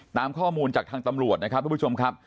ตามข้อมูลจากทางตำรวจนะครับทุกผู้ชมครับ